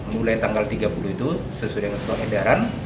mulai tanggal tiga puluh itu sesudah ngesuang edaran